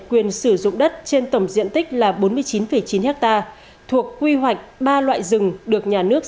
quyền sử dụng đất trên tổng diện tích là bốn mươi chín chín ha thuộc quy hoạch ba loại rừng được nhà nước